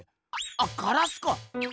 あっガラスか。